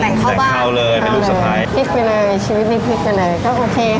แต่งข้าวบ้านแต่งข้าวเลยเป็นลูกสไพรพริกไปเลยชีวิตมิดพริกกันเลยก็โอเคค่ะ